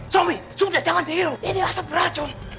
sudah jangan dihirup ini asap beracun